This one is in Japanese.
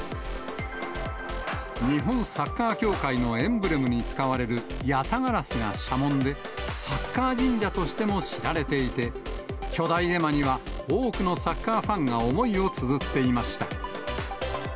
日本サッカー協会のエンブレムに使われる、やたがらすが社紋で、サッカー神社としても知られていて、巨大絵馬には、多くのサッカーファンが思いをつづっていました。